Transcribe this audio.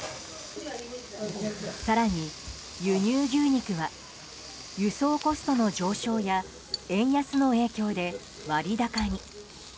更に、輸入牛肉は輸送コストの上昇や円安の影響で割高に。